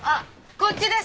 こっちです！